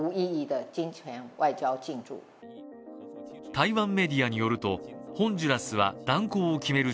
台湾メディアによると、ホンジュラスは断交を決める